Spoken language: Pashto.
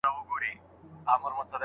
هغه په ځانګړو حالتونو کي واقعيت لري.